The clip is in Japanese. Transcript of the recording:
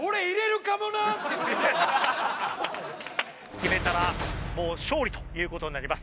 決めたらもう勝利という事になります。